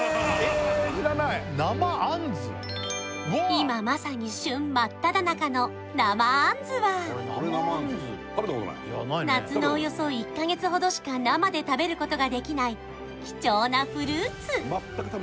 今まさに旬真っただ中の生あんずは夏のおよそ１カ月ほどしか生で食べることができない貴重なフルーツ